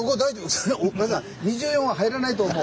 ２４は入らないと思う。